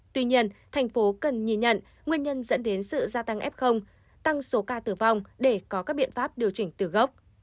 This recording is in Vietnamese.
tuy nhiên thành phố cần nhìn nhận nguyên nhân dẫn đến sự gia tăng f tăng số ca tử vong để có các biện pháp điều chỉnh từ gốc